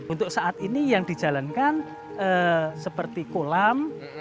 untuk saat ini yang dijalankan seperti kolam